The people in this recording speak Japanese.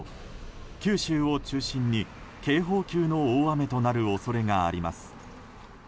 九州を中心に警報級の大雨となる恐れがあります。